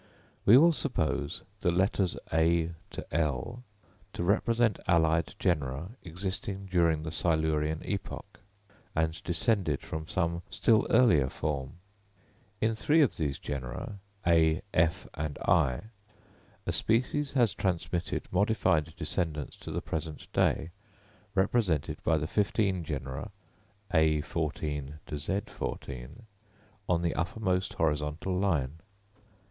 We will suppose the letters A to L to represent allied genera existing during the Silurian epoch, and descended from some still earlier form. In three of these genera (A, F, and I) a species has transmitted modified descendants to the present day, represented by the fifteen genera (_a_14 to _z_14) on the uppermost horizontal line.